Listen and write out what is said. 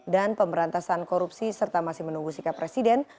dan pemberantasan korupsi serta masih menunggu sikap presiden